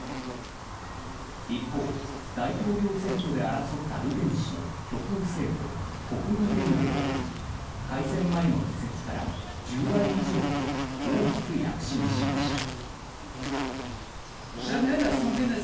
一方、大統領選挙で争ったルペン氏の極右政党・国民連合は改選前の議席から１０倍以上と大きく躍進しました。